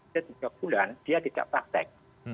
dia tiga bulan dia tidak praktek